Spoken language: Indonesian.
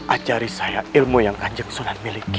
ajari saya ilmu yang anjeng sunan miliki